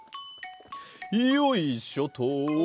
よいしょっと！